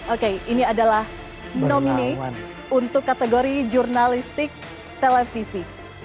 oke ini adalah nomine untuk kategori jurnalistik televisi